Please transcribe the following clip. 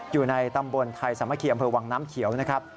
อยู่ในตำบลไทยสามัคคีอำเภอวังน้ำเขียวนะครับ